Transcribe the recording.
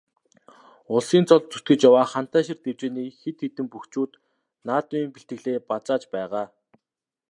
Улсын цолд зүтгэж яваа Хантайшир дэвжээний хэд хэдэн бөхчүүд наадмын бэлтгэлээ базааж байгаа.